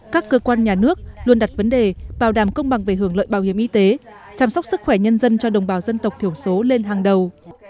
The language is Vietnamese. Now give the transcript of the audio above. các cơ quan nhà nước luôn đặt vấn đề bảo đảm công bằng về hưởng lợi bảo hiểm y tế chăm sóc sức khỏe nhân dân cho đồng bào dân tộc thiểu số lên hàng đầu